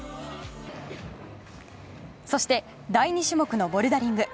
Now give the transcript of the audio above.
そして第２種目のボルダリング。